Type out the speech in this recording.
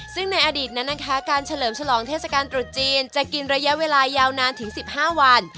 ซึ่งในอดีตนั้นนะคะการเฉลิมฉลองเทศกาลตรุษจีนจะกินระยะเวลายาวนานถึง๑๕วัน